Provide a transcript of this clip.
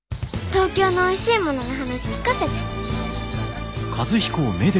東京のおいしいものの話聞かせて。